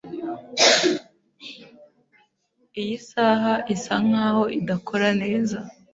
Iyi saha isa nkaho idakora neza.